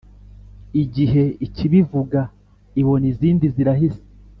igihe ikibivuga ibona izindi zirahise,